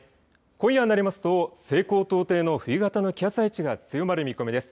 今夜になりますと西高東低の冬型の気圧配置が強まる見込みです。